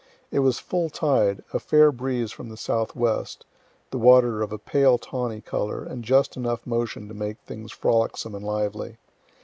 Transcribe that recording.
It was full tide, a fair breeze from the southwest, the water of a pale tawny color, and just enough motion to make things frolicsome and lively.